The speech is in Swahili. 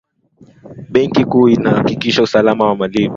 benki kuu inahakikisha usalama wa malipo ya wateja